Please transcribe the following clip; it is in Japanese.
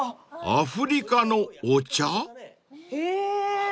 アフリカのお茶？